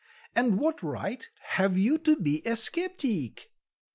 "And what right have you to be a scepteec?